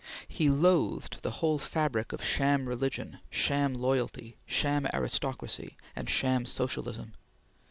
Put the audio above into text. He loathed the whole fabric of sham religion, sham loyalty, sham aristocracy, and sham socialism.